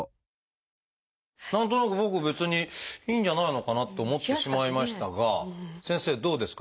何となく僕別にいいんじゃないのかなと思ってしまいましたが先生どうですか？